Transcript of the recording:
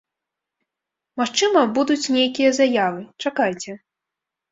Магчыма, будуць нейкія заявы, чакайце.